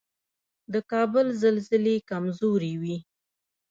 د کابل زلزلې کمزورې وي